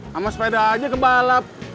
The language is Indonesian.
sama sepeda aja ke balap